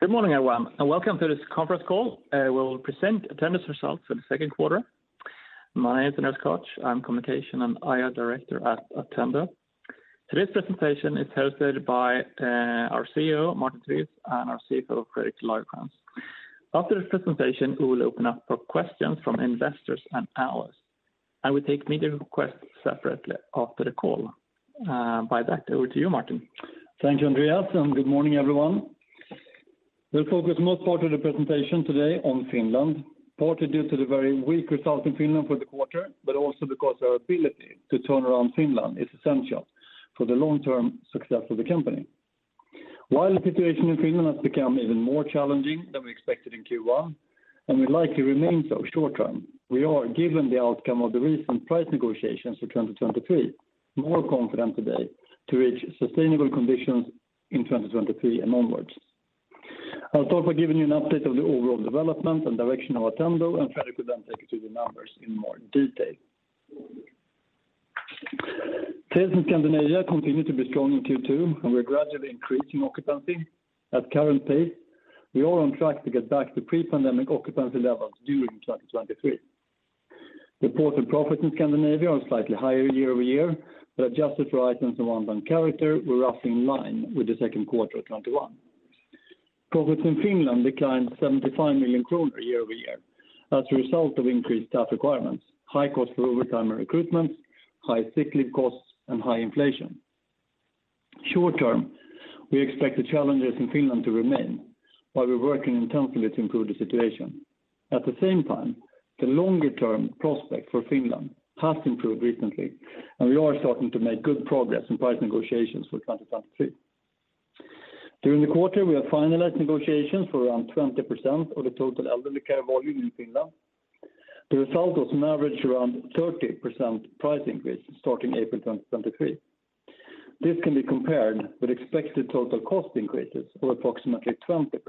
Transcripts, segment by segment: Good morning, everyone, and welcome to this conference call. We'll present Attendo's results for the second quarter. My name is Andreas Koch. I'm Communication and IR Director at Attendo. Today's presentation is hosted by our CEO Martin Tivéus, and our CFO, Fredrik Lagercrantz. After the presentation, we will open up for questions from investors and analysts, and we take media requests separately after the call. With that, over to you, Martin. Thank you, Andreas, and good morning, everyone. We'll focus most part of the presentation today on Finland, partly due to the very weak result in Finland for the quarter, but also because our ability to turn around Finland is essential for the long-term success of the company. While the situation in Finland has become even more challenging than we expected in Q1, and will likely remain so short term, we are, given the outcome of the recent price negotiations for 2023, more confident today to reach sustainable conditions in 2023 and onwards. I'll talk by giving you an update of the overall development and direction of Attendo, and Fredrik will then take you through the numbers in more detail. Sales in Scandinavia continued to be strong in Q2, and we're gradually increasing occupancy. At current pace, we are on track to get back to pre-pandemic occupancy levels during 2023. Reported profits in Scandinavia are slightly higher year-over-year, but adjusted for items of non-recurring character were roughly in line with the second quarter of 2021. Profits in Finland declined 75 million kronor year-over-year as a result of increased staff requirements, high cost for overtime and recruitment, high sick leave costs, and high inflation. Short term, we expect the challenges in Finland to remain while we're working intensely to improve the situation. At the same time, the longer-term prospect for Finland has improved recently, and we are starting to make good progress in price negotiations for 2023. During the quarter, we have finalized negotiations for around 20% of the total elderly care volume in Finland. The result was an average around 30% price increase starting April 2023. This can be compared with expected total cost increases of approximately 20%.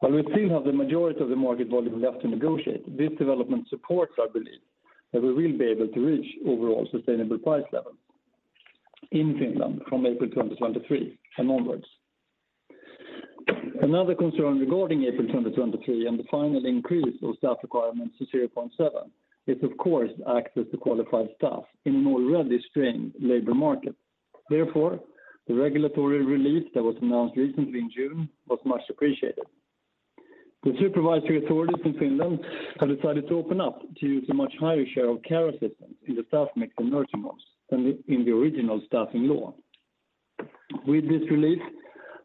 While we still have the majority of the market volume left to negotiate, this development supports our belief that we will be able to reach overall sustainable price levels in Finland from April 2023 and onwards. Another concern regarding April 2023 and the final increase of staff requirements to 0.7 is, of course, access to qualified staff in an already strained labor market. Therefore, the regulatory relief that was announced recently in June was much appreciated. The supervisory authorities in Finland have decided to open up to use a much higher share of care assistants in the staff mix in nursing homes than in the original staffing law. With this relief,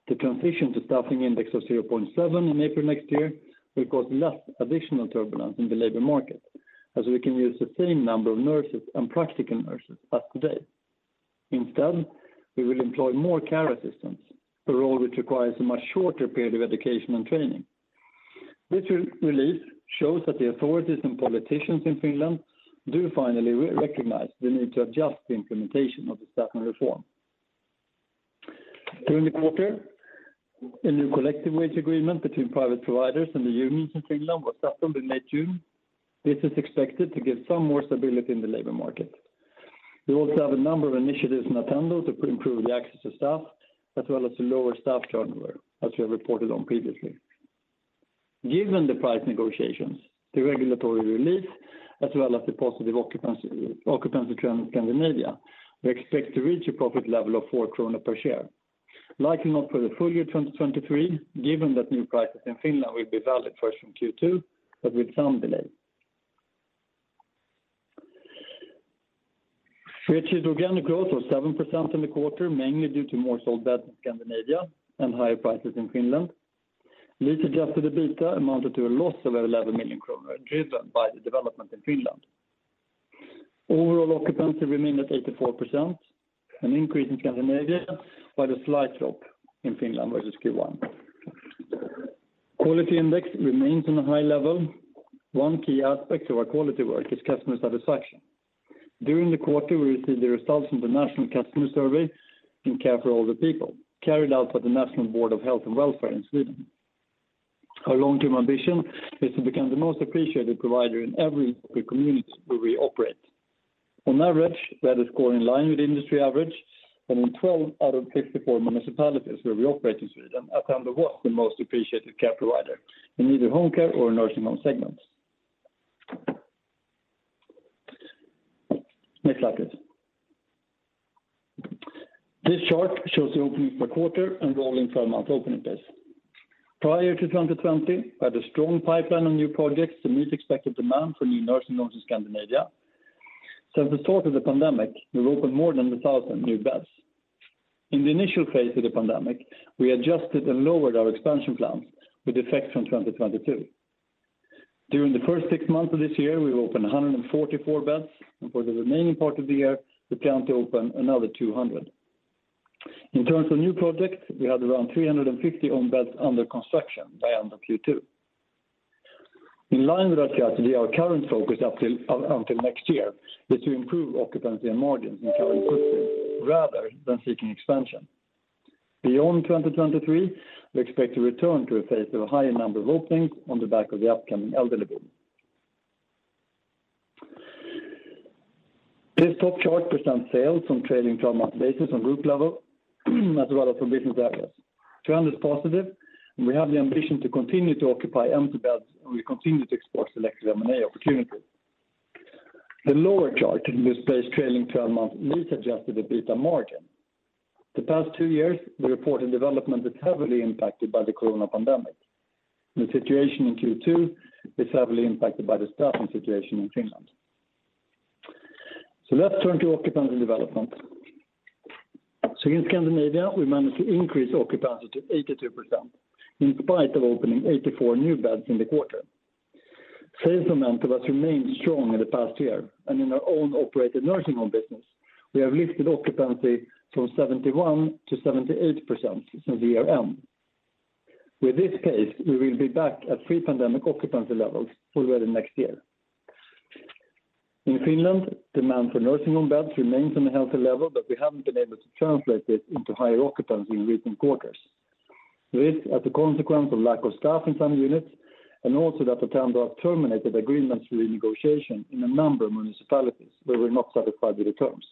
the transition to staffing index of 0.7 in April next year will cause less additional turbulence in the labor market, as we can use the same number of nurses and practical nurses as today. Instead, we will employ more care assistants, a role which requires a much shorter period of education and training. This relief shows that the authorities and politicians in Finland do finally recognize the need to adjust the implementation of the staffing reform. During the quarter, a new collective wage agreement between private providers and the unions in Finland was signed in mid-June. This is expected to give some more stability in the labor market. We also have a number of initiatives in Attendo to improve the access to staff, as well as to lower staff turnover, as we have reported on previously. Given the price negotiations, the regulatory relief, as well as the positive occupancy trend in Scandinavia, we expect to reach a profit level of 4 krona per share, likely not for the full year 2023, given that new prices in Finland will be valid first from Q2, but with some delay. We achieved organic growth of 7% in the quarter, mainly due to more sold beds in Scandinavia and higher prices in Finland. Lease-Adjusted EBITDA amounted to a loss of 11 million kronor, driven by the development in Finland. Overall occupancy remained at 84%, an increase in Scandinavia, but a slight drop in Finland versus Q1. Quality index remains on a high level. One key aspect of our quality work is customer satisfaction. During the quarter, we received the results from the National Customer Survey in Care For Older People, carried out by the National Board of Health and Welfare in Sweden. Our long-term ambition is to become the most appreciated provider in every local community where we operate. On average, we had a score in line with industry average, and in 12 out of 54 municipalities where we operate in Sweden, Attendo was the most appreciated care provider in either home care or nursing home segments. Next slide, please. This chart shows the openings per quarter and rolling twelve-month opening base. Prior to 2020, we had a strong pipeline of new projects to meet expected demand for new nursing homes in Scandinavia. Since the start of the pandemic, we've opened more than 1,000 new beds. In the initial phase of the pandemic, we adjusted and lowered our expansion plans with effect from 2022. During the first six months of this year, we opened 144 beds, and for the remaining part of the year, we plan to open another 200. In terms of new projects, we had around 350 own beds under construction by end of Q2. In line with our strategy, our current focus up until next year is to improve occupancy and margins in current footprint rather than seeking expansion. Beyond 2023, we expect to return to a phase of a higher number of openings on the back of the upcoming elderly boom. This top chart presents sales from trailing 12 months basis on group level as well as from business areas. Trend is positive, and we have the ambition to continue to occupy empty beds, and we continue to explore selective M&A opportunities. The lower chart displays trailing 12 months lease-Adjusted EBITDA margin. The past two years, the reported development is heavily impacted by the corona pandemic. The situation in Q2 is heavily impacted by the staffing situation in Finland. Let's turn to occupancy development. In Scandinavia, we managed to increase occupancy to 82% in spite of opening 84 new beds in the quarter. Sales momentum has remained strong in the past year, and in our own operated nursing home business, we have lifted occupancy from 71% to 78% since the year-end. With this pace, we will be back at pre-pandemic occupancy levels already next year. In Finland, demand for nursing home beds remains on a healthy level, but we haven't been able to translate this into higher occupancy in recent quarters. This as a consequence of lack of staff in some units, and also that Attendo have terminated agreements through negotiation in a number of municipalities where we're not satisfied with the terms.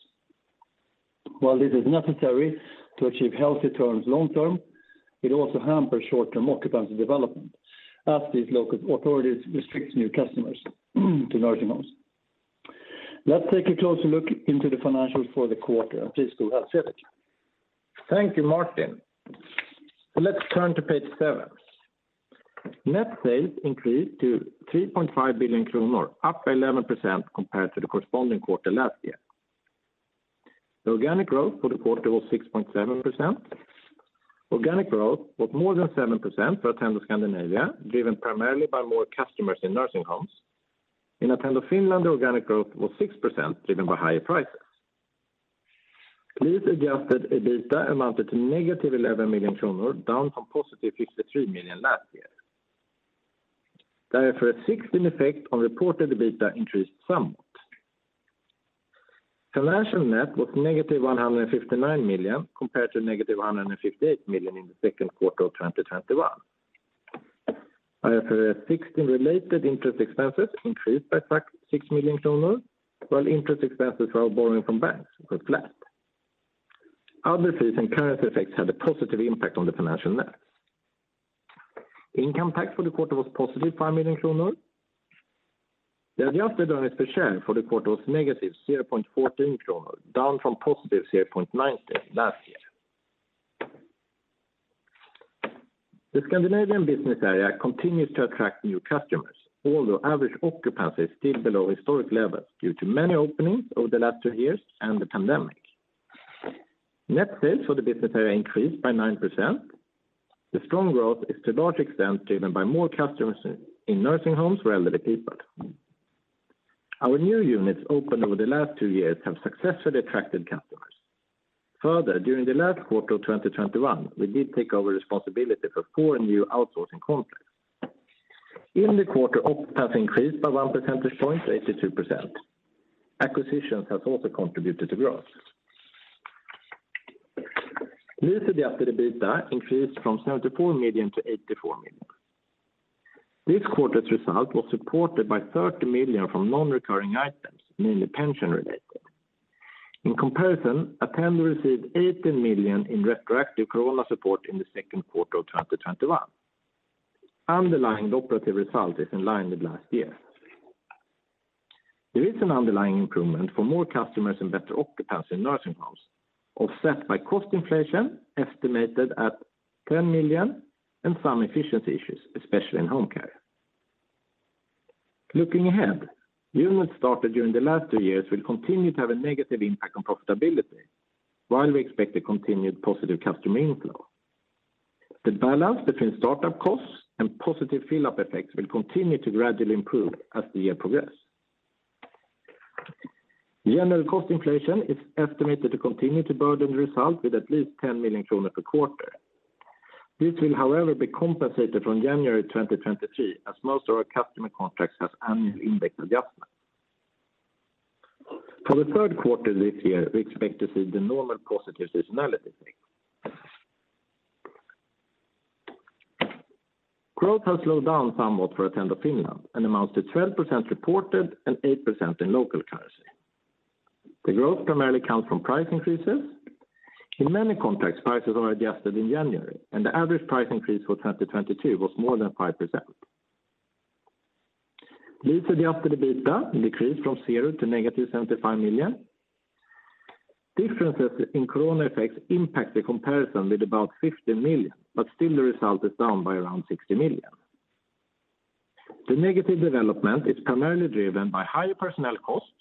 While this is necessary to achieve healthy terms long term, it also hampers short-term occupancy development as these local authorities restrict new customers to nursing homes. Let's take a closer look into the financials for the quarter. Please go ahead, Fredrik Lagercrantz. Thank you, Martin. Let's turn to page seven. Net sales increased to 3.5 billion kronor, up 11% compared to the corresponding quarter last year. Organic growth for the quarter was 6.7%. Organic growth was more than 7% for Attendo Scandinavia, driven primarily by more customers in nursing homes. In Attendo Finland, organic growth was 6%, driven by higher prices. Lease-Adjusted EBITDA amounted to -11 million kronor, down from 53 million last year. IFRS 16 effect on reported EBITDA increased somewhat. Financial net was -159 million, compared to -158 million in the second quarter of 2021. IFRS 16 and related interest expenses increased by 6 million kronor, while interest expenses for our borrowing from banks was flat. Other fees and currency effects had a positive impact on the financial net. Income tax for the quarter was +5 million kronor. The adjusted earnings per share for the quarter was -0.14 kronor, down from +0.90 last year. Attendo Scandinavia continues to attract new customers, although average occupancy is still below historic levels due to many openings over the last two years and the pandemic. Net sales for the business area increased by 9%. The strong growth is to a large extent driven by more customers in nursing homes for elderly people. Our new units opened over the last two years have successfully attracted customers. Further, during the last quarter of 2021, we did take over responsibility for four new outsourcing contracts. In the quarter, occupancy increased by 1 percentage point to 82%. Acquisitions has also contributed to growth. Lease-Adjusted EBITDA increased from 74 million to 84 million. This quarter's result was supported by 30 million from non-recurring items, mainly pension-related. In comparison, Attendo received 18 million in retroactive corona support in the second quarter of 2021. Underlying operative result is in line with last year. There is an underlying improvement for more customers and better occupancy in nursing homes, offset by cost inflation estimated at 10 million, and some efficiency issues, especially in home care. Looking ahead, units started during the last two years will continue to have a negative impact on profitability, while we expect a continued positive customer inflow. The balance between startup costs and positive fill-up effects will continue to gradually improve as the year progress. General cost inflation is estimated to continue to burden the result with at least 10 million kronor per quarter. This will, however, be compensated from January 2023, as most of our customer contracts has annual index adjustment. For the third quarter this year, we expect to see the normal positive seasonality effect. Growth has slowed down somewhat for Attendo Finland and amounts to 12% reported and 8% in local currency. The growth primarily comes from price increases. In many contracts, prices are adjusted in January, and the average price increase for 2022 was more than 5%. Lease-Adjusted EBITDA decreased from 0 to -75 million. Differences in corona effects impact the comparison with about 15 million, but still the result is down by around 60 million. The negative development is primarily driven by higher personnel costs,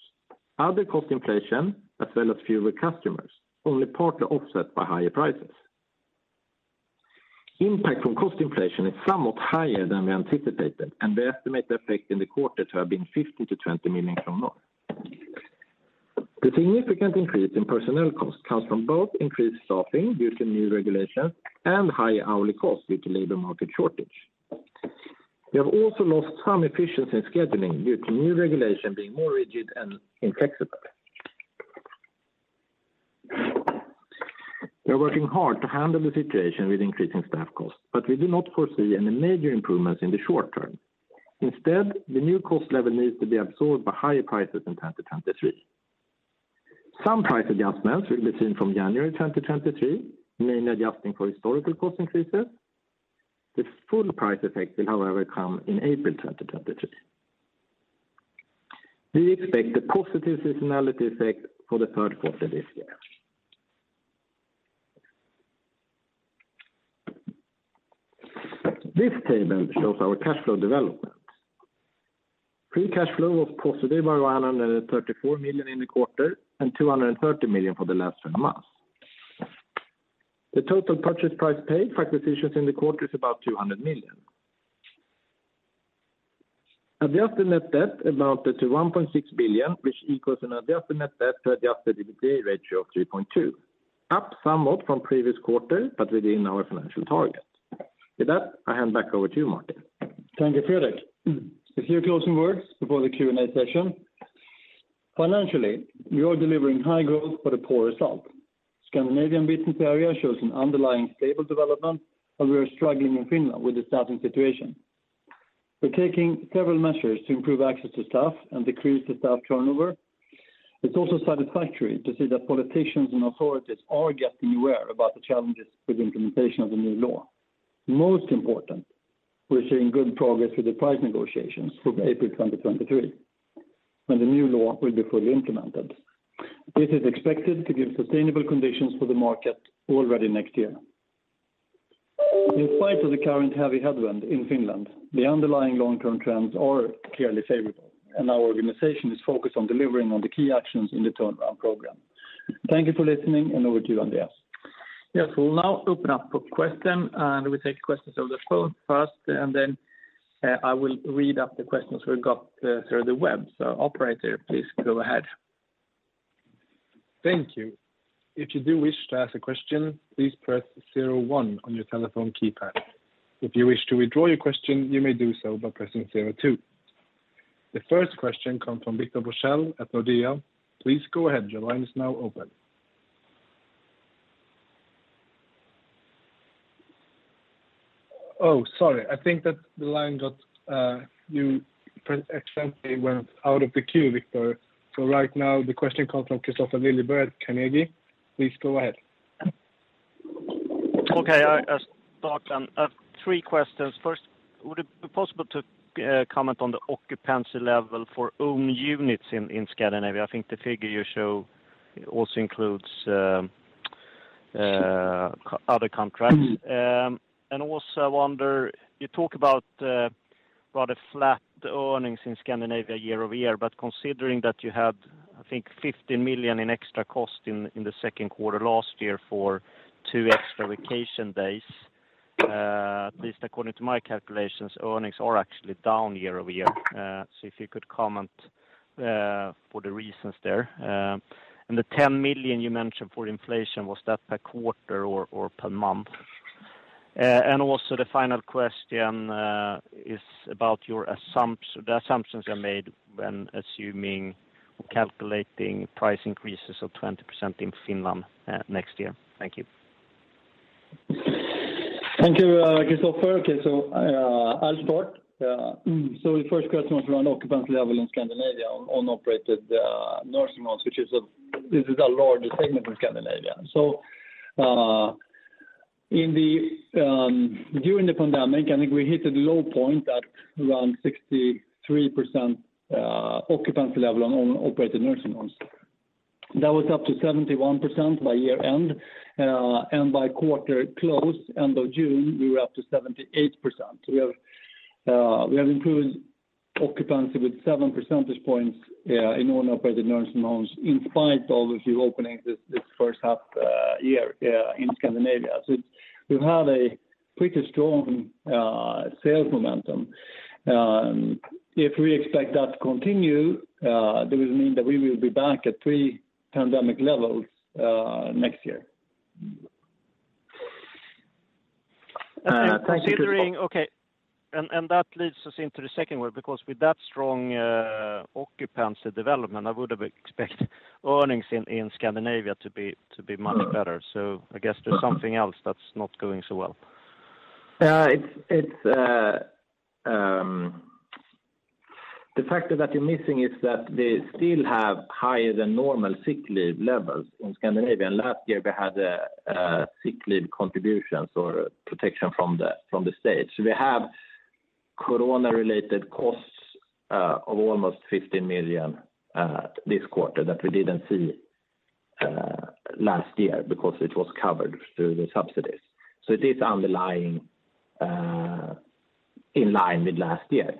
other cost inflation, as well as fewer customers, only partly offset by higher prices. Impact from cost inflation is somewhat higher than we anticipated, and we estimate the effect in the quarter to have been 15 million-20 million kronor. The significant increase in personnel costs comes from both increased staffing due to new regulations and higher hourly costs due to labor market shortage. We have also lost some efficiency in scheduling due to new regulation being more rigid and inflexible. We are working hard to handle the situation with increasing staff costs, but we do not foresee any major improvements in the short term. Instead, the new cost level needs to be absorbed by higher prices in 2023. Some price adjustments will be seen from January 2023, mainly adjusting for historical cost increases. The full price effect will however come in April 2023. We expect a positive seasonality effect for the third quarter this year. This table shows our cash flow development. Free cash flow was positive by 134 million in the quarter and 230 million for the last 12 months. The total purchase price paid for acquisitions in the quarter is about 200 million. Adjusted net debt amounted to 1.6 billion, which equals an adjusted net debt to Adjusted EBITDA ratio of 3.2, up somewhat from previous quarter, but within our financial target. With that, I hand back over to you, Martin. Thank you, Fredrik. A few closing words before the Q&A session. Financially, we are delivering high growth but a poor result. Attendo Scandinavia shows an underlying stable development, but we are struggling in Finland with the staffing situation. We're taking several measures to improve access to staff and decrease the staff turnover. It's also satisfactory to see that politicians and authorities are getting aware about the challenges with implementation of the new law. Most important, we're seeing good progress with the price negotiations for April 2023, when the new law will be fully implemented. This is expected to give sustainable conditions for the market already next year. In spite of the current heavy headwind in Finland, the underlying long-term trends are clearly favorable, and our organization is focused on delivering on the key actions in the turnaround program. Thank you for listening, and over to you, Andreas. Yes. We'll now open up for question, and we take questions over the phone first, and then, I will read out the questions we got, through the web. Operator, please go ahead. Thank you. If you do wish to ask a question, please press zero one on your telephone keypad. If you wish to withdraw your question, you may do so by pressing zero two. The first question comes from Viktor Forssell at Nordea. Please go ahead. Your line is now open. Oh, sorry. I think that the line got, you accidentally went out of the queue, Viktor. Right now the question comes from Kristofer Liljeberg at Carnegie. Please go ahead. Okay. I'll start. I have three questions. First, would it be possible to comment on the occupancy level for own units in Scandinavia? I think the figure you show also includes other contracts. I wonder, you talk about rather flat earnings in Scandinavia year-over-year, but considering that you had, I think 50 million in extra cost in the second quarter last year for two extra vacation days, at least according to my calculations, earnings are actually down year-over-year. If you could comment for the reasons there. The 10 million you mentioned for inflation, was that per quarter or per month? The final question is about the assumptions you made when calculating price increases of 20% in Finland next year. Thank you. Thank you, Kristofer. Okay. I'll start. The first question was around occupancy level in Scandinavia on operated nursing homes, which is our largest segment in Scandinavia. During the pandemic, I think we hit a low point at around 63% occupancy level on own operated nursing homes. That was up to 71% by year-end, and by quarter close, end of June, we were up to 78%. We have improved occupancy with seven percentage points in own operated nursing homes, in spite of a few openings this first half year in Scandinavia. We've had a pretty strong sales momentum. If we expect that to continue, that would mean that we will be back at pre-pandemic levels next year. Considering Thank you, Kristofer. Okay. That leads us into the second one, because with that strong occupancy development, I would have expected earnings in Scandinavia to be much better. I guess there's something else that's not going so well. The factor that you're missing is that we still have higher than normal sick leave levels in Scandinavia. Last year we had sick leave contributions or protection from the state. We have corona-related costs of almost 50 million this quarter that we didn't see last year because it was covered through the subsidies. It is underlying in line with last year.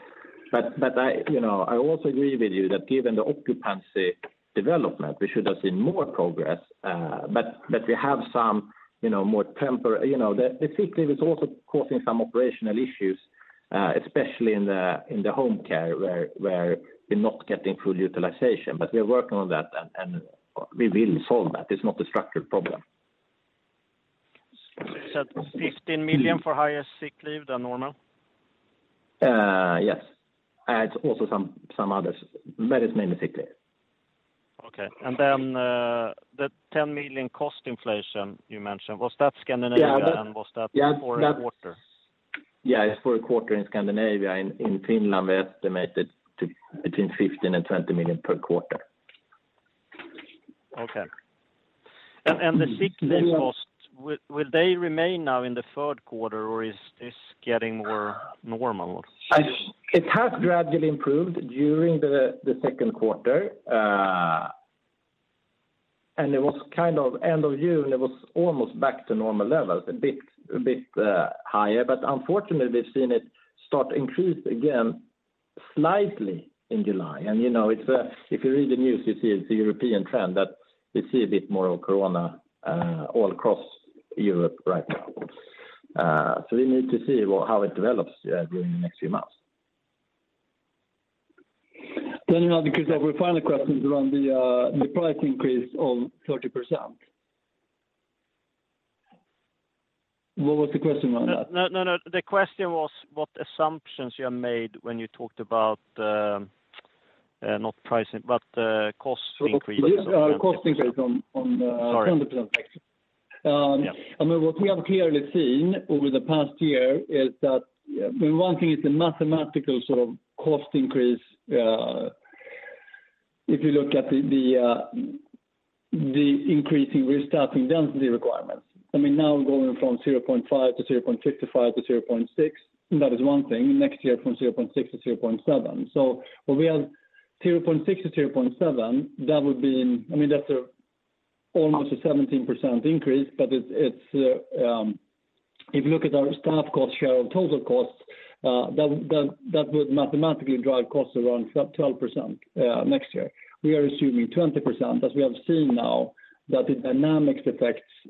You know, I also agree with you that given the occupancy development, we should have seen more progress. We have some, you know. You know, the sick leave is also causing some operational issues, especially in the home care where we're not getting full utilization. We are working on that and we will solve that. It's not a structural problem. 15 million for higher sick leave than normal? Yes. It's also some others, but it's mainly sick leave. Okay. The 10 million cost inflation you mentioned, was that Scandinavia? Yeah. Was that for a quarter? Yeah, it's for a quarter in Scandinavia. In Finland, we estimate it to be between 15 million and 20 million per quarter. Okay. The sick leave costs, will they remain now in the third quarter or is this getting more normal? It has gradually improved during the second quarter. It was kind of at the end of June, it was almost back to normal levels, a bit higher. Unfortunately, we've seen it start to increase again slightly in July. You know, if you read the news, you see it's a European trend that we see a bit more of corona all across Europe right now. We need to see how it develops during the next few months. Now because I have a final question around the price increase of 30%. What was the question around that? No, no. The question was what assumptions you have made when you talked about, not pricing, but, cost increase. Cost increase on the Sorry. 20%. Yeah. I mean, what we have clearly seen over the past year is that one thing is the mathematical sort of cost increase. If you look at the increasing staffing density requirements, I mean, now going from 0.5 to 0.65 to 0.6, that is one thing. Next year from 0.6 to 0.7. When we are 0.6 to 0.7, that is almost a 17% increase. But it's if you look at our staff cost share of total costs, that would mathematically drive costs around 12% next year. We are assuming 20%, as we have seen now that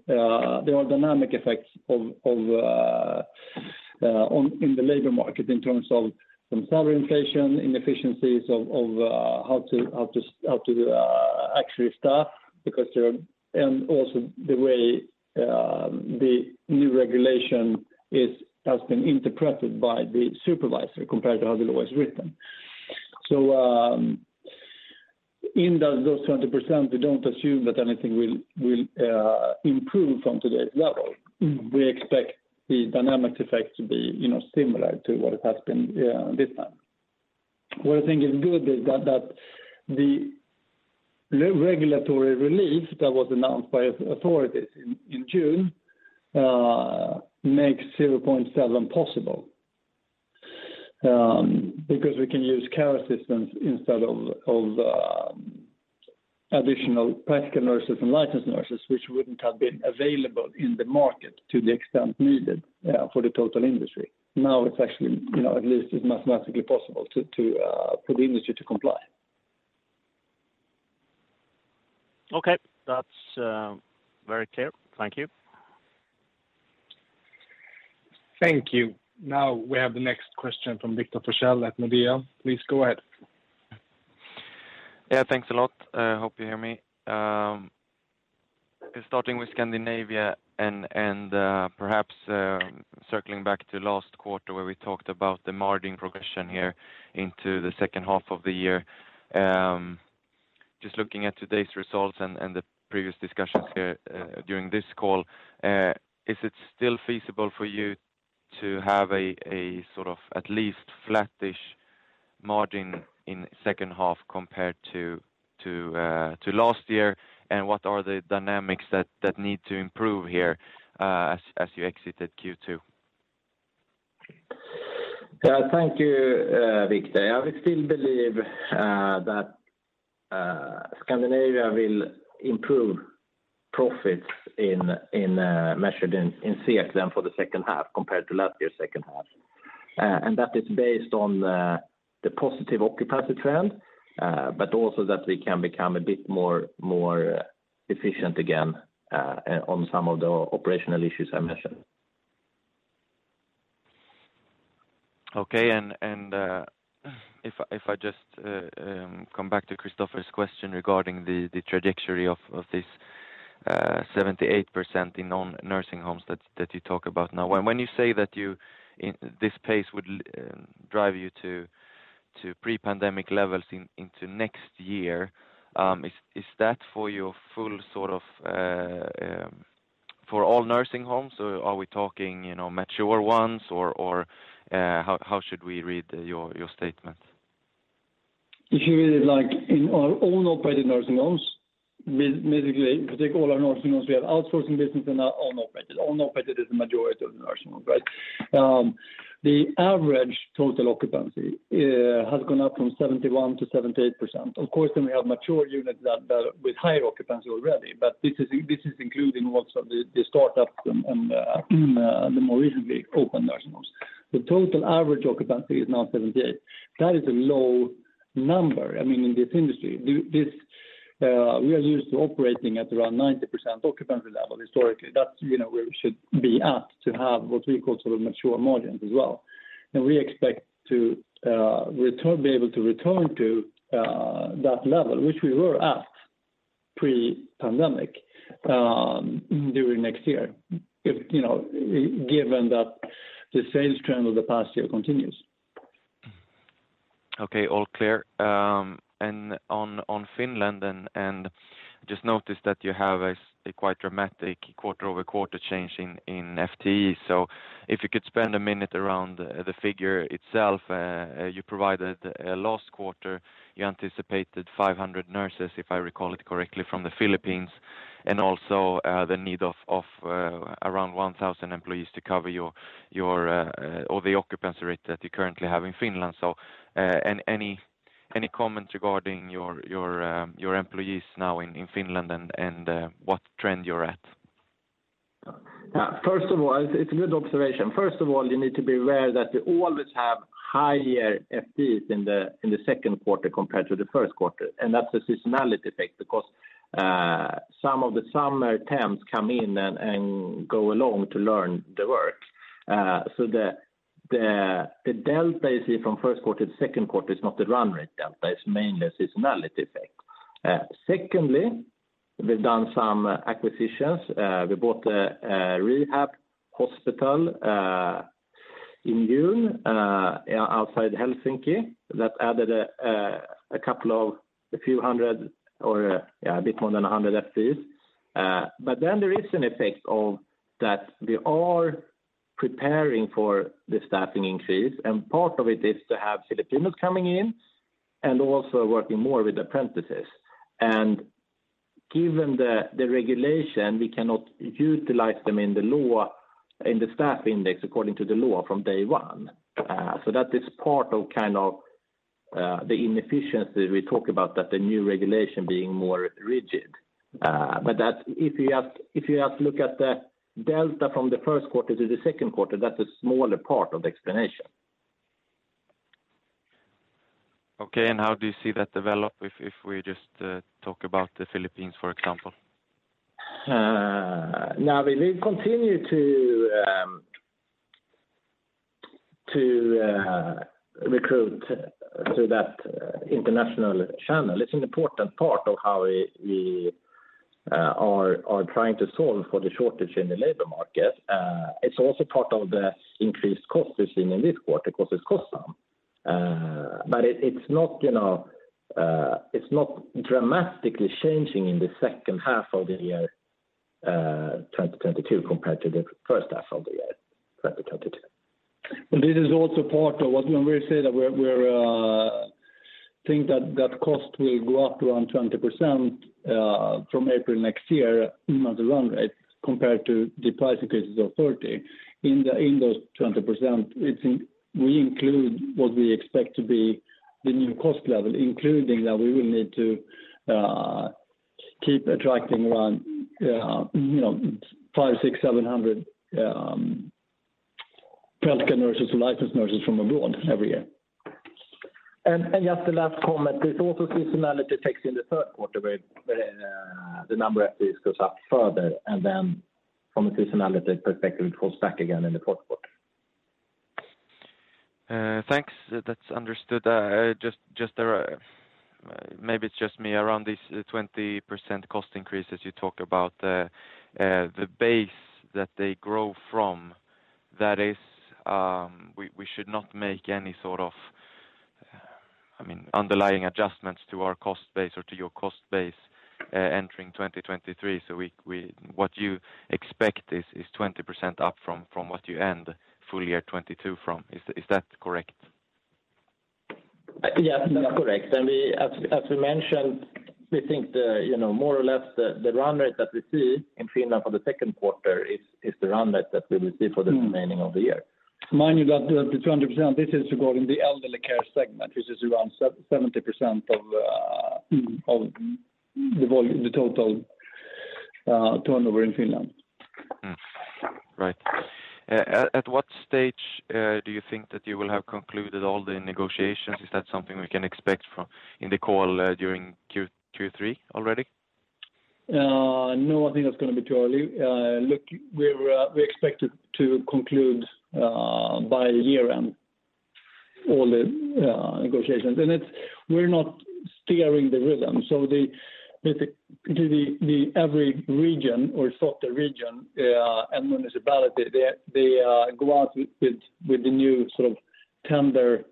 there are dynamic effects on the labor market in terms of some salary inflation, inefficiencies of how to actually staff. Because also the way the new regulation has been interpreted by the supervisor compared to how the law is written. In those 20%, we don't assume that anything will improve from today's level. We expect the dynamic effect to be, you know, similar to what it has been this time. What I think is good is that the regulatory relief that was announced by authorities in June makes 0.7 possible. Because we can use care assistants instead of additional practical nurses and licensed nurses, which wouldn't have been available in the market to the extent needed for the total industry. Now it's actually, you know, at least it's mathematically possible for the industry to comply. Okay. That's very clear. Thank you. Thank you. Now we have the next question from Viktor Forssell at Nordea. Please go ahead. Yeah, thanks a lot. Hope you hear me. Starting with Scandinavia and perhaps circling back to last quarter where we talked about the margin progression here into the second half of the year. Just looking at today's results and the previous discussions here during this call, is it still feasible for you to have a sort of at least flat-ish margin in second half compared to last year? And what are the dynamics that need to improve here as you exited Q2? Thank you, Viktor. I would still believe that Scandinavia will improve profits measured in SEK than for the second half compared to last year second half. That is based on the positive occupancy trend, but also that we can become a bit more efficient again on some of the operational issues I mentioned. Okay. If I just come back to Kristofer's question regarding the trajectory of this 78% in nursing homes that you talk about now. When you say that you in this pace would drive you to pre-pandemic levels into next year, is that for your full sort of for all nursing homes? Or are we talking, you know, mature ones or how should we read your statement? If you read it like in our own operated nursing homes, we basically take all our nursing homes. We have outsourcing business and our own operated. Own operated is the majority of the nursing homes, right? The average total occupancy has gone up from 71%-78%. Of course, then we have mature units that are with higher occupancy already, but this is including also the startups and the more recently opened nursing homes. The total average occupancy is now 78%. That is a low number. I mean, in this industry, this, we are used to operating at around 90% occupancy level historically. That's, you know, where we should be at to have what we call sort of mature margins as well. We expect to be able to return to that level, which we were at pre-pandemic, during next year, if you know, given that the sales trend of the past year continues. Okay. All clear. On Finland and just noticed that you have a quite dramatic quarter-over-quarter change in FTE. If you could spend a minute around the figure itself, you provided last quarter, you anticipated 500 nurses, if I recall it correctly, from the Philippines, and also the need of around 1,000 employees to cover your or the occupancy rate that you currently have in Finland. Any comments regarding your employees now in Finland and what trend you're at? Yeah. First of all, it's a good observation. First of all, you need to be aware that we always have higher FTEs in the second quarter compared to the first quarter. That's a seasonality effect because some of the summer temps come in and go along to learn the work. The delta you see from first quarter to second quarter is not the run rate delta. It's mainly a seasonality effect. Secondly, we've done some acquisitions. We bought a rehab hospital in June outside Helsinki that added a bit more than 100 FTEs. There is an effect of that we are preparing for the staffing increase, and part of it is to have Filipinos coming in and also working more with apprentices. Given the regulation, we cannot utilize them in the staffing index according to the law from day one. That is part of kind of the inefficiency we talk about that the new regulation being more rigid. That if you ask to look at the delta from the first quarter to the second quarter, that's a smaller part of the explanation. Okay. How do you see that develop if we just talk about the Philippines, for example? Now we will continue to recruit through that international channel. It's an important part of how we are trying to solve for the shortage in the labor market. It's also part of the increased cost we're seeing in this quarter because it costs some. It's not, you know, dramatically changing in the second half of the year 2022 compared to the first half of the year 2022. This is also part of what, when we say that we think that cost will go up to around 20% from April next year as a run rate compared to the price increases of 30%. In those 20%, we include what we expect to be the new cost level, including that we will need to keep attracting around, you know, 500, 600, 700 practical nurses or licensed nurses from abroad every year. Just the last comment, there's also seasonality effects in the third quarter where the number of FTEs goes up further, and then from a seasonality perspective, it falls back again in the fourth quarter. Thanks. That's understood. Maybe it's just me. Around this 20% cost increase as you talk about the base that they grow from, that is, we should not make any sort of, I mean, underlying adjustments to our cost base or to your cost base, entering 2023. What you expect is 20% up from what you end full year 2022 from. Is that correct? Yes, that's correct. We, as we mentioned, we think the, you know, more or less the run rate that we see in Finland for the second quarter is the run rate that we will see for the remaining of the year. Mind you that the 20%, this is regarding the elderly care segment, which is around 70% of the total turnover in Finland. At what stage do you think that you will have concluded all the negotiations? Is that something we can expect in the call during Q3 already? No, I think that's gonna be too early. Look, we expect it to conclude by year-end all the negotiations. We're not steering the rhythm. Every region or sort of region and municipality, they go out with the new sort of tender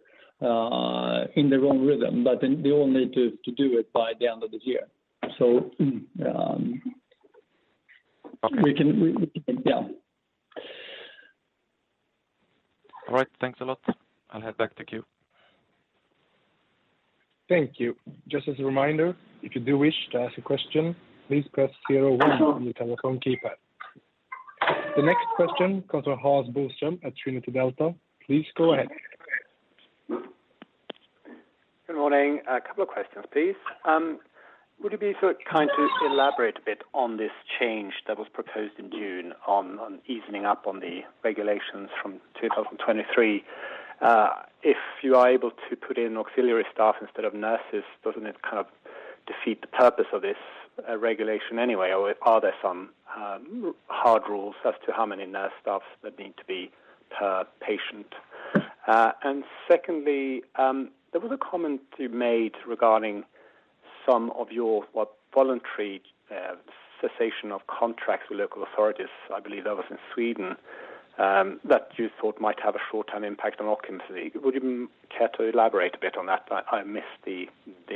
in their own rhythm. Then they all need to do it by the end of this year. We can. Yeah. All right. Thanks a lot. I'll head back to queue. Thank you. Just as a reminder, if you do wish to ask a question, please press zero one on your telephone keypad. The next question comes from Hans Bostrom at Trinity Delta. Please go ahead. Good morning. A couple of questions, please. Would you be so kind to elaborate a bit on this change that was proposed in June on easing up on the regulations from 2023? If you are able to put in auxiliary staff instead of nurses, doesn't it kind of defeat the purpose of this regulation anyway? Or are there some hard rules as to how many nurse staff that need to be per patient? And secondly, there was a comment you made regarding some of your voluntary cessation of contracts with local authorities, I believe that was in Sweden, that you thought might have a short-term impact on occupancy. Would you care to elaborate a bit on that? I missed the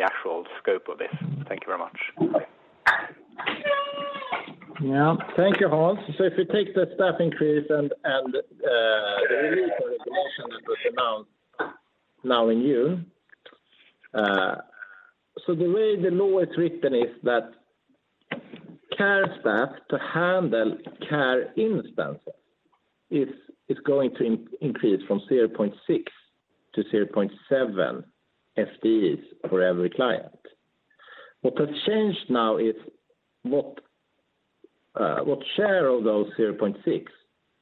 actual scope of this. Thank you very much. Yeah. Thank you, Lars Hevreng. If you take the staffing creation and the release of information that was announced now in June. The way the law is written is that care staff to handle care instances is going to increase from 0.6 to 0.7 FTEs for every client. What has changed now is what share of those 0.6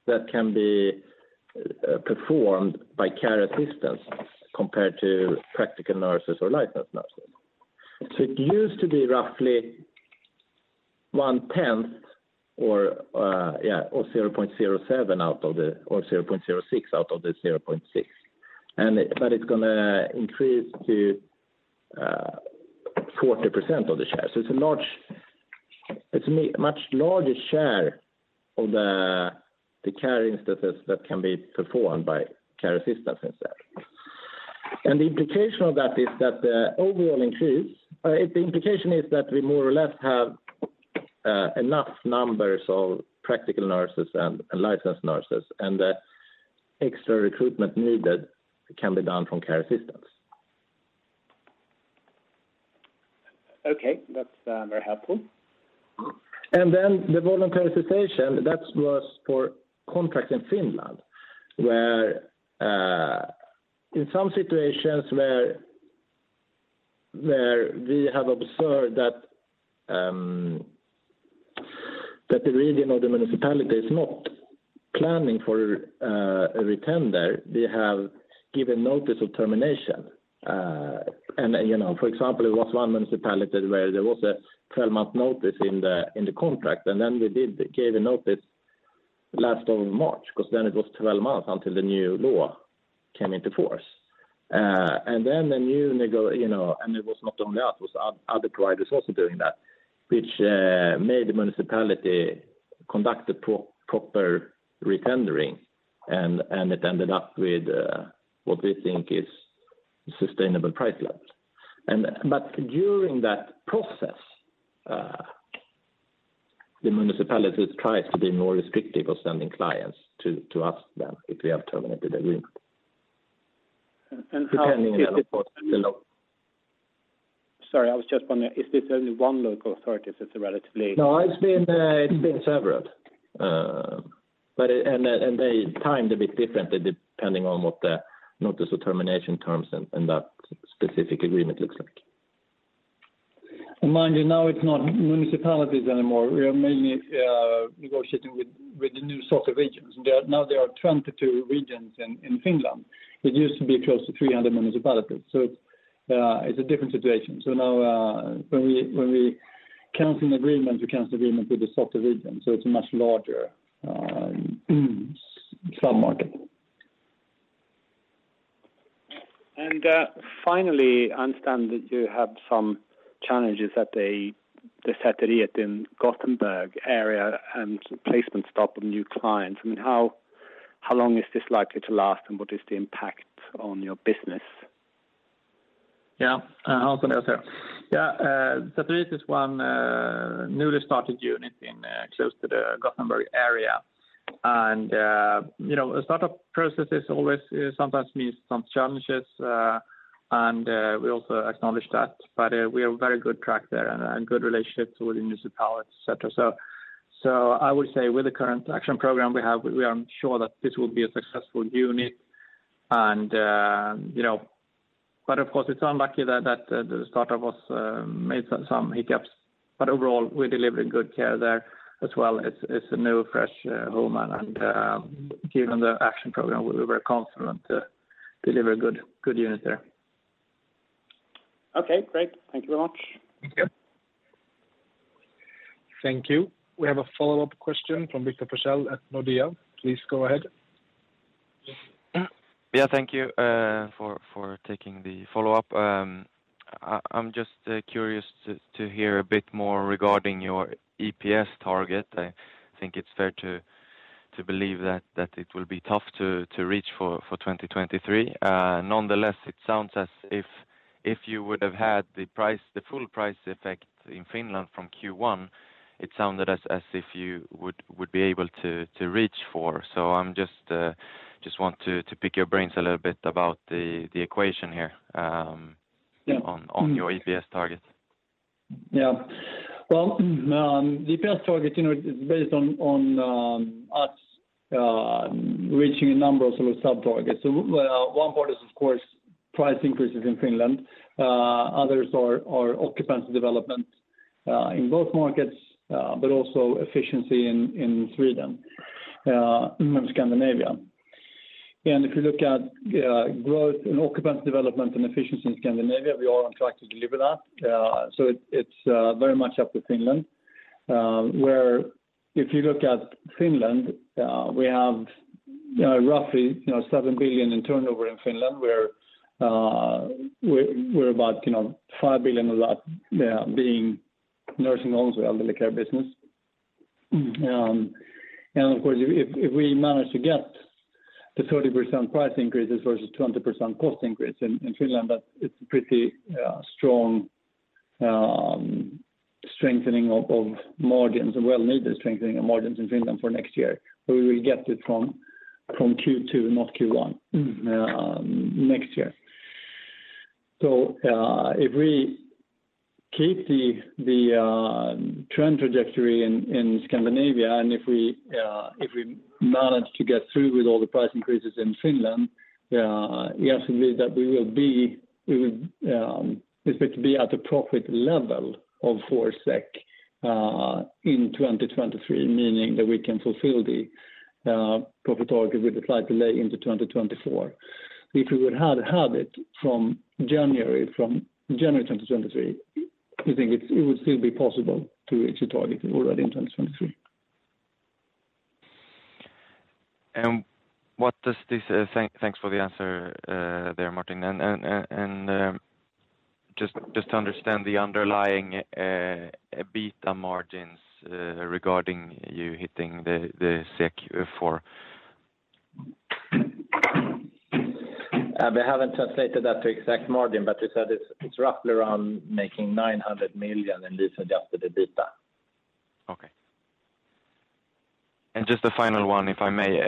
that can be performed by care assistants compared to practical nurses or licensed nurses. It used to be roughly one-tenth or zero point zero seven out of the zero point zero six out of the 0.6. But it's gonna increase to 40% of the share. It's a much larger share of the care instances that can be performed by care assistants instead. The implication is that we more or less have enough numbers of practical nurses and licensed nurses, and the extra recruitment needed can be done from care assistants. Okay. That's very helpful. The voluntary cessation, that was for contracts in Finland, where in some situations we have observed that the region or the municipality is not planning for a re-tender, they have given notice of termination. You know, for example, there was one municipality where there was a 12-month notice in the contract, and then we did give a notice end of March, because then it was 12 months until the new law came into force. You know, it was not only us, it was other providers also doing that, which made the municipality conduct a proper re-tendering, and it ended up with what we think is sustainable price levels. During that process, the municipalities try to be more restrictive of sending clients to us than if we have terminated agreement. And how- Depending on what the lo- Sorry, I was just wondering, is this only one local authority, since it's a relatively- No, it's been several. They timed a bit differently depending on what the notice of termination terms and that specific agreement looks like. Mind you, now it's not municipalities anymore. We are mainly negotiating with the new sort of regions. There are now 22 regions in Finland. It used to be close to 300 municipalities. It's a different situation. Now, when we cancel an agreement with the sort of region, it's a much larger sub-market. Finally, I understand that you have some challenges at the Säteriet in Gothenburg area and placement stop of new clients. I mean, how long is this likely to last, and what is the impact on your business? Also Hans. Säteriet is one newly started unit in close to the Gothenburg area. You know, a startup process is always sometimes meets some challenges and we also acknowledge that. We are very good track there and good relationships with the municipality, et cetera. I would say with the current action program we have, we are sure that this will be a successful unit. You know, of course, it's unlucky that the startup was made some hiccups. Overall, we delivered good care there as well. It's a new, fresh home. Given the action program, we're very confident to deliver good units there. Okay, great. Thank you very much. Thank you. Thank you. We have a follow-up question from Viktor Forssell at Nordea. Please go ahead. Yeah. Thank you for taking the follow-up. I'm just curious to hear a bit more regarding your EPS target. I think it's fair to believe that it will be tough to reach for 2023. Nonetheless, it sounds as if you would have had the full price effect in Finland from Q1, it sounded as if you would be able to reach for. So I'm just want to pick your brains a little bit about the equation here. Yeah. On your EPS target. Yeah. Well, the EPS target, you know, is based on us reaching a number of sort of sub-targets. Well, one part is, of course, price increases in Finland. Others are occupancy development in both markets, but also efficiency in Sweden, I mean Scandinavia. If you look at growth in occupancy development and efficiency in Scandinavia, we are on track to deliver that. It's very much up to Finland, where if you look at Finland, we have roughly, you know, 7 billion in turnover in Finland, where we're about, you know, 5 billion of that being nursing homes or elderly care business. Of course, if we manage to get the 30% price increases versus 20% cost increase in Finland, that it's pretty strong strengthening of margins. A well-needed strengthening of margins in Finland for next year. We will get it from Q2, not Q1, next year. If we keep the trend trajectory in Scandinavia, and if we manage to get through with all the price increases in Finland, yes, indeed we would expect to be at a profit level of SEK 4 in 2023, meaning that we can fulfill the profit target we delayed to 2024. If we would had had it from January 2023, we think it would still be possible to reach the target already in 2023. Thanks for the answer, there, Martin. Just to understand the underlying EBITDA margins regarding you hitting the SEK 4. We haven't translated that to exact margin, but we said it's roughly around making 900 million in this Adjusted EBITDA. Okay. Just a final one, if I may.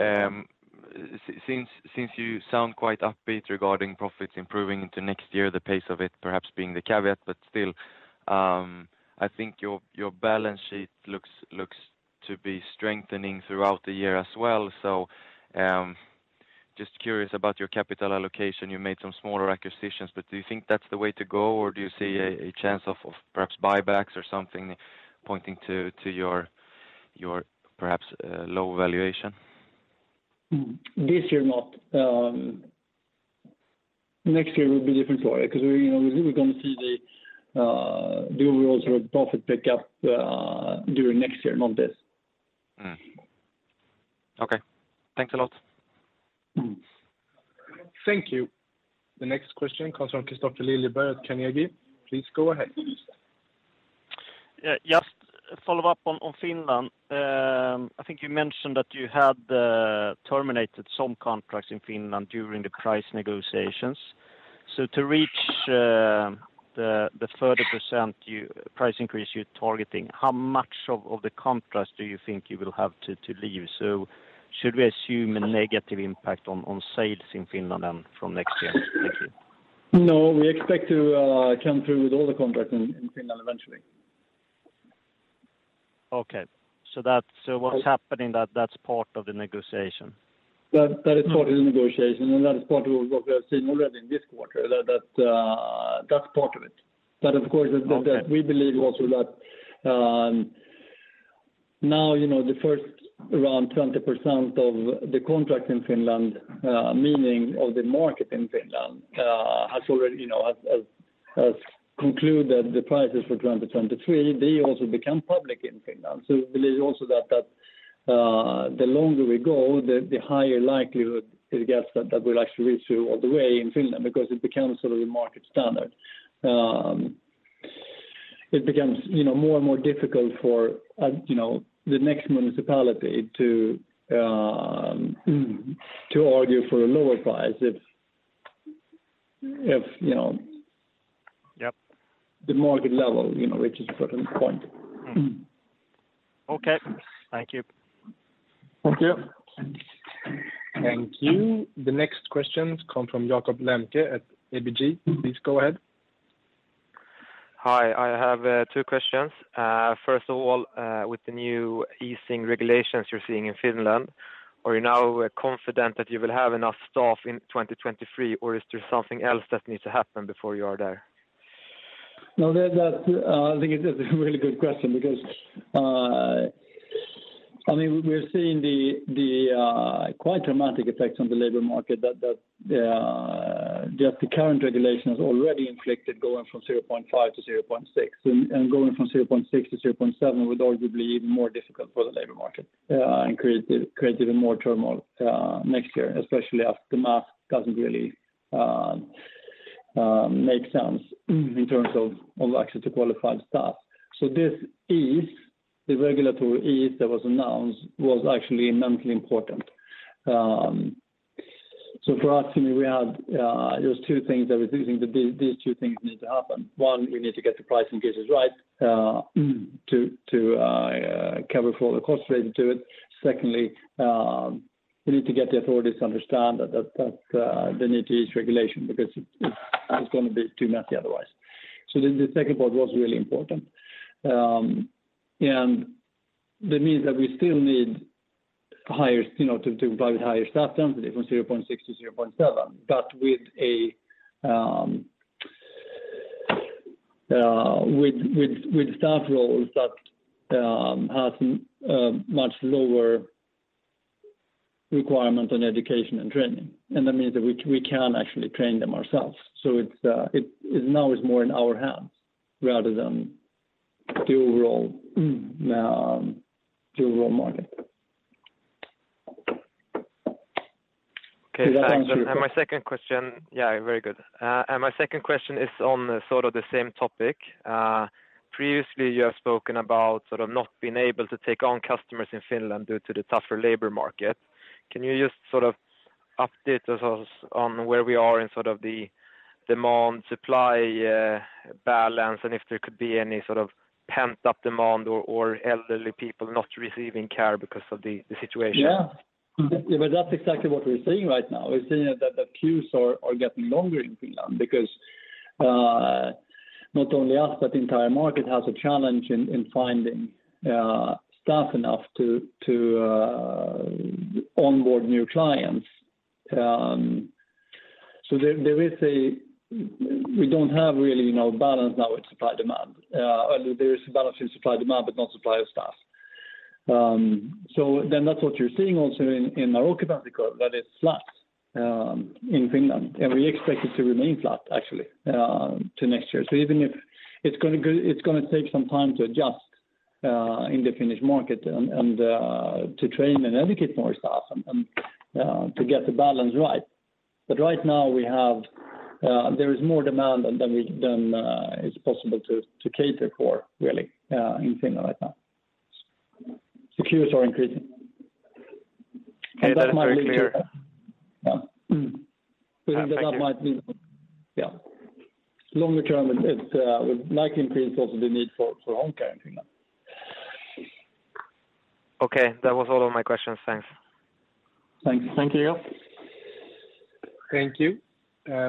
Since you sound quite upbeat regarding profits improving into next year, the pace of it perhaps being the caveat, but still, I think your balance sheet looks to be strengthening throughout the year as well. Just curious about your capital allocation. You made some smaller acquisitions, but do you think that's the way to go, or do you see a chance of perhaps buybacks or something pointing to your perhaps low valuation? This year, not. Next year will be different story because we're, you know, going to see the overall sort of profit pickup during next year, not this. Okay. Thanks a lot. Thank you. The next question comes from Kristofer Liljeberg at Carnegie. Please go ahead. Yeah. Just a follow-up on Finland. I think you mentioned that you had terminated some contracts in Finland during the price negotiations. To reach the 30% price increase you're targeting, how much of the contracts do you think you will have to leave? Should we assume a negative impact on sales in Finland from next year? Thank you. No, we expect to come through with all the contracts in Finland eventually. What's happening that's part of the negotiation? That is part of the negotiation, and that is part of what we have seen already in this quarter. That's part of it. Of course. Okay. We believe also that, now, you know, the first around 20% of the contract in Finland, meaning of the market in Finland, has already, you know, has concluded the prices for 2023. They also become public in Finland. We believe also that, the longer we go, the higher likelihood it gets that we'll actually reach you all the way in Finland because it becomes sort of a market standard. It becomes, you know, more and more difficult for, you know, the next municipality to argue for a lower price if, you know. Yep. The market level, you know, reaches a certain point. Okay. Thank you. Thank you. Thank you. The next question comes from Jakob Lembke at ABG. Please go ahead. Hi. I have two questions. First of all, with the new easing regulations you're seeing in Finland, are you now confident that you will have enough staff in 2023, or is there something else that needs to happen before you are there? No, that I think it is a really good question because I mean, we're seeing the quite dramatic effects on the labor market that just the current regulation has already inflicted going from 0.5 to 0.6. Going from 0.6 to 0.7 would arguably be even more difficult for the labor market and create even more turmoil next year, especially as the math doesn't really make sense in terms of access to qualified staff. This easing, the regulatory easing that was announced was actually immensely important. For us, I mean, there was two things that we think that these two things need to happen. One, we need to get the price increases right, to cover for all the costs related to it. Secondly, we need to get the authorities to understand that they need to ease regulation because it's gonna be too messy otherwise. The second part was really important. That means that we still need higher, you know, to provide higher staff density from 0.6-0.7. With staff roles that has much lower requirement on education and training. That means that we can actually train them ourselves. It's now more in our hands rather than the overall market. Okay. Thanks. Does that answer your que- Yeah, very good. My second question is on the sort of the same topic. Previously you have spoken about sort of not being able to take on customers in Finland due to the tougher labor market. Can you just sort of update us on where we are in sort of the demand-supply balance, and if there could be any sort of pent-up demand or elderly people not receiving care because of the situation? Yeah. That's exactly what we're seeing right now. We're seeing that the queues are getting longer in Finland because not only us, but the entire market has a challenge in finding enough staff to onboard new clients. We don't really have, you know, balance now with supply and demand. There is a balance in supply and demand, but not supply of staff. That's what you're seeing also in our occupancy rate, that it's flat in Finland, and we expect it to remain flat actually to next year. Even if it's gonna take some time to adjust in the Finnish market and to train and educate more staff and to get the balance right. Right now we have there is more demand than is possible to cater for really in Finland right now. Queues are increasing. Okay. That's very clear. Yeah. Thank you. We think that, longer term, it would likely increase also the need for home care in Finland. Okay. That was all of my questions. Thanks. Thank you. Thank you.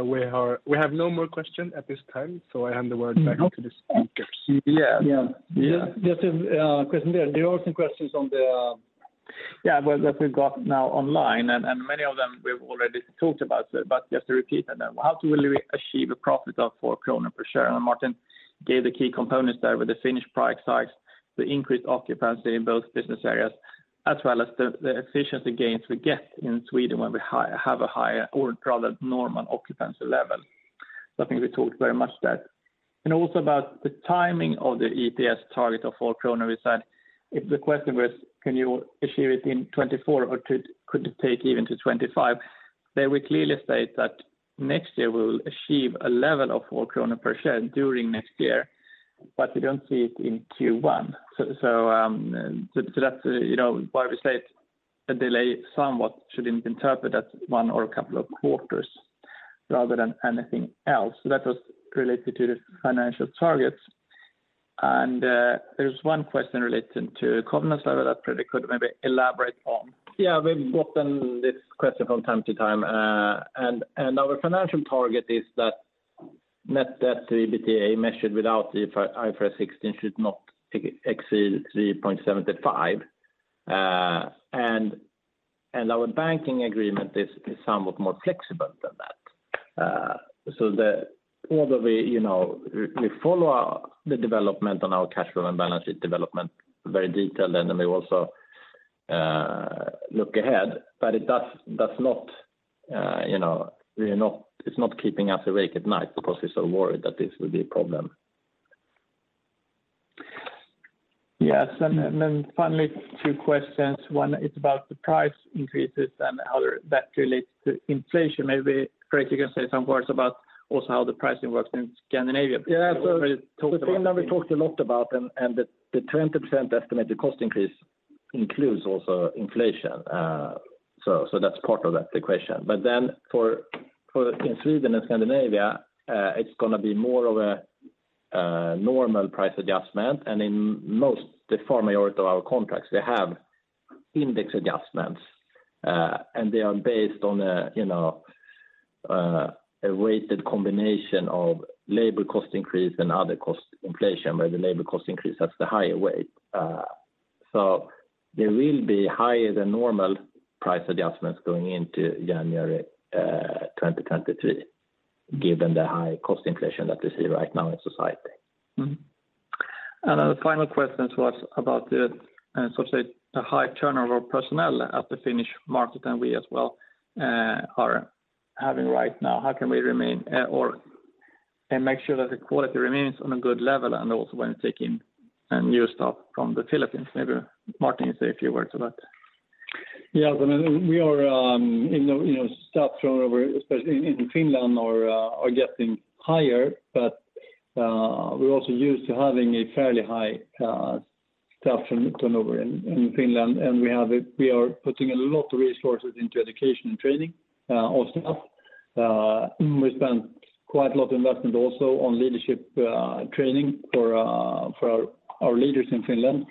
We have no more question at this time, so I hand the word back to the speakers. Yeah. Yeah. Just, question there. There are some questions on the. Well, that we've got now online, and many of them we've already talked about. Just to repeat them. How do we achieve a profit of 4 krona per share? Martin gave the key components there with the Finnish price hikes, the increased occupancy in both business areas, as well as the efficiency gains we get in Sweden when we have a higher or rather normal occupancy level. I think we talked very much that. Also about the timing of the EPS target of SEK 4 per share is that if the question was can you achieve it in 2024 or could it take even to 2025? They will clearly state that next year we'll achieve a level of 4 krona per share during next year, but we don't see it in Q1. That's, you know, why we say a delay somewhat shouldn't be interpreted as one or a couple of quarters rather than anything else. That was related to the financial targets. There's one question related to governance level that Fredrik could maybe elaborate on. Yeah, we've gotten this question from time to time, and our financial target is that net debt to EBITDA measured without the IFRS 16 should not exceed 3.75x. Our banking agreement is somewhat more flexible than that. Although we follow the development on our cash flow and balance sheet development very detailed, and then we also look ahead. That's not keeping us awake at night because we're so worried that this will be a problem. Yes. Finally, two questions. One is about the price increases and how that relates to inflation. Maybe, Fredrik, you can say some words about also how the pricing works in Scandinavia. Yeah. We already talked about Finland. The thing that we talked a lot about, the 20% estimated cost increase includes also inflation. That's part of that equation. For in Sweden and Scandinavia, it's gonna be more of a normal price adjustment. The far majority of our contracts, they have index adjustments, and they are based on a weighted combination of labor cost increase and other cost inflation, where the labor cost increase has the higher weight. There will be higher than normal price adjustments going into January 2023, given the high cost inflation that we see right now in society. The final question was about the sort of high turnover of personnel at the Finnish market and we as well are having right now. How can we remain and make sure that the quality remains on a good level and also when taking a new staff from the Philippines? Maybe Martin, you say a few words about that. Yeah. I mean, we are, you know, staff turnover, especially in Finland are getting higher. We're also used to having a fairly high staff turnover in Finland. We are putting a lot of resources into education and training of staff. We spent quite a lot investment also on leadership training for our leaders in Finland.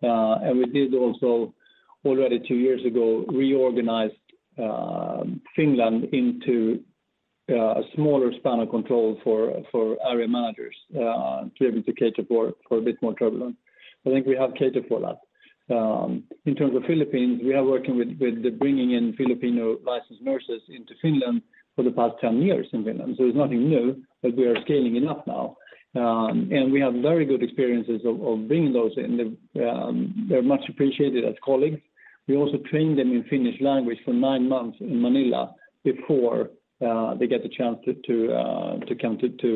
We did also already two years ago reorganized Finland into a smaller span of control for area managers to be able to cater for a bit more turbulent. I think we have catered for that. In terms of Philippines, we are working with the bringing in Filipino licensed nurses into Finland for the past 10 years in Finland. It's nothing new, but we are scaling it up now. We have very good experiences of bringing those in. They're much appreciated as colleagues. We also train them in Finnish language for nine months in Manila before they get the chance to come to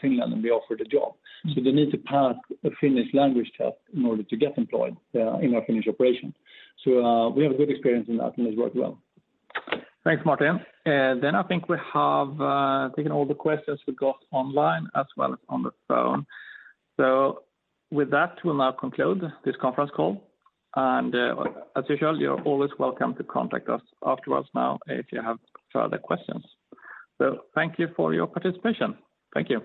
Finland and be offered a job. They need to pass a Finnish language test in order to get employed in our Finnish operation. We have a good experience in that, and it worked well. Thanks, Martin. I think we have taken all the questions we got online as well as on the phone. With that, we'll now conclude this conference call. As usual, you're always welcome to contact us afterwards now if you have further questions. Thank you for your participation. Thank you.